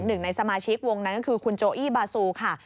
หนึ่งในสมาชิกวงนั้นก็คือคุณโจอี้บาซูค่ะ